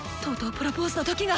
プロポーズの時が！